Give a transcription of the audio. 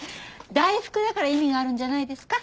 大福だから意味があるんじゃないですか。